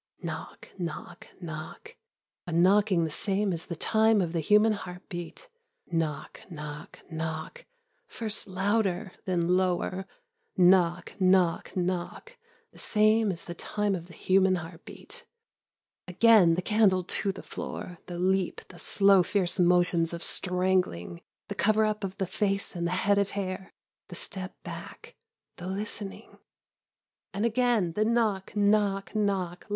Knock, knock, knock, a knocking the same as the time of the human heartbeat. Knock, knock, knock, first louder, then lower. Knock, knock, knock, the same as the time of the human heartbeat. Again the candle to the floor, the leap, the slow fierce motions of strangling, the cover up of the face and the head of hair, the step back, the listening. And again the knock, knock, knock